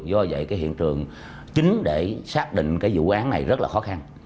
do vậy hiện trường chính để xác định vụ án này rất là khó khăn